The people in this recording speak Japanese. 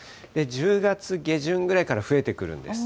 １０月下旬ぐらいから増えてくるんです。